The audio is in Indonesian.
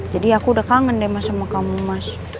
jadi aku udah kangen deh sama kamu mas